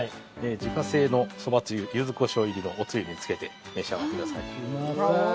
自家製のそばつゆユズコショウ入りのおつゆにつけて召し上がってください。